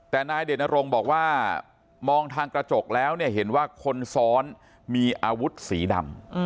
แต่นายเดชนรงค์บอกว่ามองทางกระจกแล้วเนี่ยเห็นว่าคนซ้อนมีอาวุธสีดำ